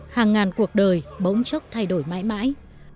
hàng ngàn cuộc đời bỗng chốc thay đổi mãi mãi